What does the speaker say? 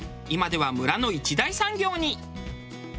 今では村の一大産業に。